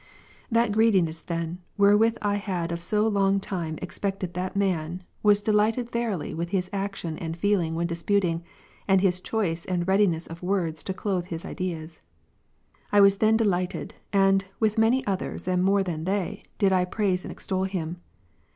11. That greediness then, wherewith I had of so long time expected that man, was delighted verily with his action and feeling when disputing, and his choice and readiness of words to clothe his ideas. I was then delighted, and, with many others and more than they, did I praise and extol him.